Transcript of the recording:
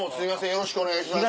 よろしくお願いします。